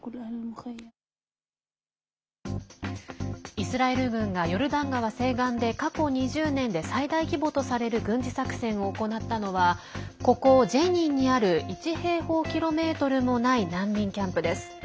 イスラエル軍がヨルダン川西岸で過去２０年で最大規模とされる軍事作戦を行ったのはここ、ジェニンにある１平方キロメートルもない難民キャンプです。